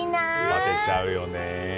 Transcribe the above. ばてちゃうよね。